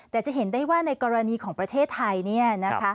แต่จะเห็นได้ว่าในกรณีของประเทศไทย